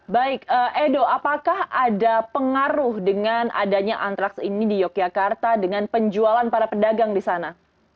baik edo apakah ada pengaruh dengan adanya antraks ini di yogyakarta dengan penjualan para pedagang di sana